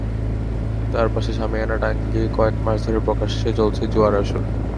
তার পাশে শামিয়ানা টাঙিয়ে কয়েক মাস ধরে প্রকাশ্যে চলছে জুয়ার আসর।